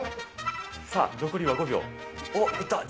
さあ、残りは５秒。